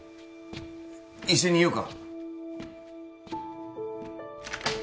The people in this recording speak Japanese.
一緒にいようか？